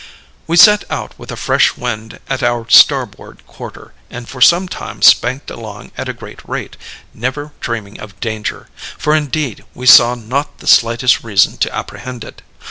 "We set out with a fresh wind at our starboard quarter, and for some time spanked along at a great rate, never dreaming of danger; for indeed we saw not the slightest reason to apprehend it.